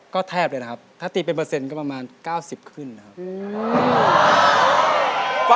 ก็แทบเลยนะครับถ้าตีเป็นเปอร์เซ็นต์ก็ประมาณ๙๐ขึ้นนะครับ